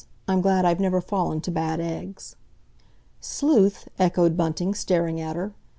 I'm glad I've never fallen to bad eggs!" "Sleuth," echoed Bunting, staring at her.